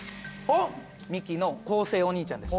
ミキの昴生お兄ちゃんです。